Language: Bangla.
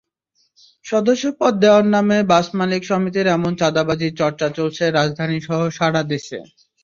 সদস্যপদ দেওয়ার নামে বাস মালিক সমিতির এমন চাঁদাবাজির চর্চা চলছে রাজধানীসহ সারা দেশে।